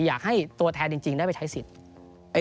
อยากให้ตัวแทนจริงได้ไปใช้สิทธิ์